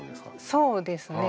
そうですね。